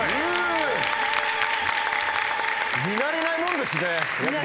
見慣れないもんですね何回。